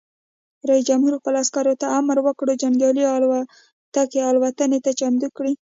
رئیس جمهور خپلو عسکرو ته امر وکړ؛ جنګي الوتکې الوتنې ته چمتو کړئ!